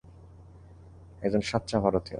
একজন সাচ্চা ভারতীয়।